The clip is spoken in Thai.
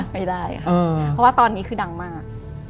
ไม่ได้ค่ะเพราะว่าตอนนี้คือดังมาก